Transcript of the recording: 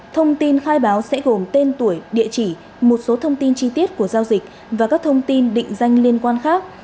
thông tin khai báo sẽ gồm tên tuổi địa chỉ một số thông tin chi tiết của giao dịch và các thông tin định danh liên quan khác